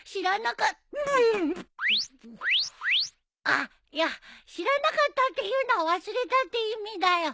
あっいやっ知らなかったっていうのは忘れたって意味だよ。